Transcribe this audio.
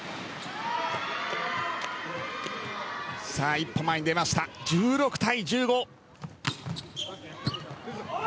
一歩前に出ました、１６対１５。